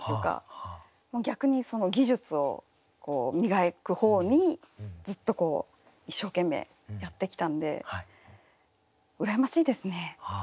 もう逆に技術を磨く方にずっとこう一生懸命やってきたんで羨ましいですね。